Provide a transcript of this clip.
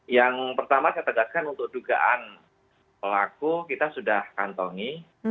yang pertama saya tegaskan untuk dugaan pelaku kita sudah kantongi